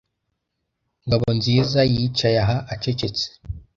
Ngabonziza yicaye aho acecetse.